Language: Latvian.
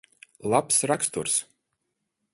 Labs raksturs.